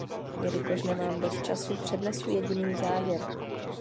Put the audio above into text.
Jelikož nemám dost času, přednesu jediný závěr.